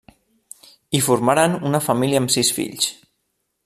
I formaren una família amb sis fills.